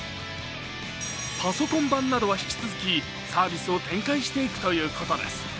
パソコン版などは引き続きサービスを展開していくということです。